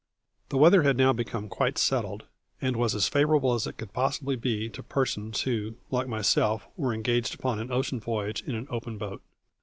The weather had now become quite settled, and was as favourable as it could possibly be to persons who, like myself, were engaged upon an ocean voyage in an open boat.